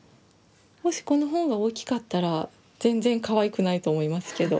もしこの本が大きかったら全然かわいくないと思いますけど。